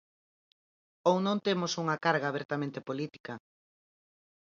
Ou non temos unha carga abertamente política.